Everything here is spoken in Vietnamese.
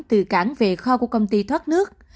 từ cảng về kho của công ty thoát nước